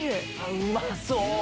うまそう！